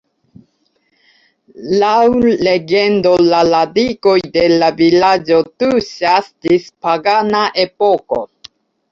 Laŭ legendo la radikoj de la vilaĝo tuŝas ĝis pagana epoko.